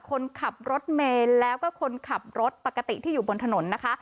คนขับรถเมย์แล้วก็คนขับรถปกติที่อยู่บนถนนนะคะ